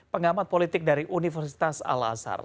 pengamat politik dari universitas al azhar